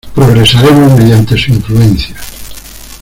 Progresaremos mediante su influencia.